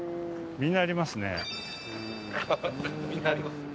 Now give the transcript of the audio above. みんなありますね